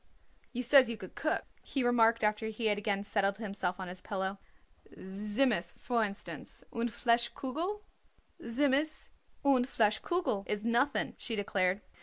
"You says you could cook," he remarked after he had again settled himself on his pillow. "Tzimmus, for instance, und Fleisch Kugel?" "Tzimmus und Fleisch Kugel is nothing," she declared.